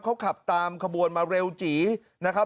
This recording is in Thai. เขาขับตามขบวนมาเร็วจีนะครับ